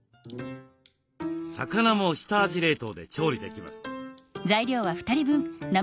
魚も下味冷凍で調理できます。